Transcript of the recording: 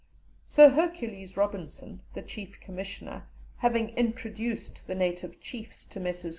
Sir Hercules Robinson, the Chief Commissioner, having "introduced the native chiefs to Messrs.